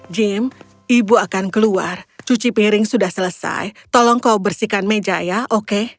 jim ibu akan keluar cuci piring sudah selesai tolong kau bersihkan meja ya oke